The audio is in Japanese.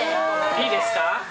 いいですか？